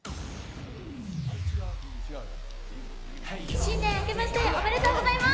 新年あけましておめでとうございます！